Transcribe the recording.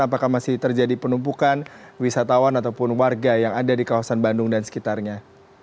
apakah masih terjadi penumpukan wisatawan ataupun warga yang ada di kawasan bandung dan sekitarnya